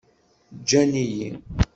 Ǧǧan-iyi.